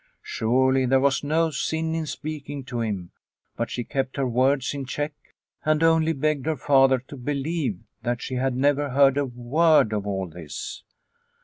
Surely there was no sin in speaking to him ! But she kept her words in check, and only begged her father to believe that she had never heard a word of all this.